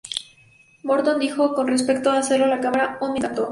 Morton dijo con respecto a hacerlo en la cámara: "Oh, me encantó.